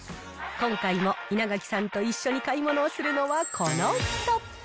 今回も稲垣さんと一緒に買い物をするのは、この人。